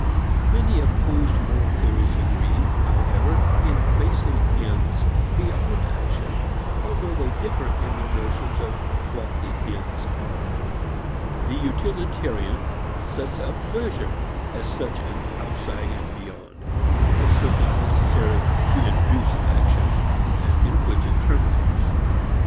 Many opposed moral theories agree however in placing ends beyond action, although they differ in their notions of what the ends are. The utilitarian sets up pleasure as such an outside and beyond, as something necessary to induce action and in which it terminates.